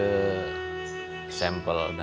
waktu siasatan eoskobat